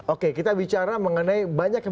oke kita bicara mengenai banyak yang